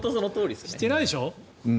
してないでしょ。